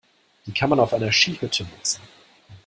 Die kann man auf einer Skihütte nutzen.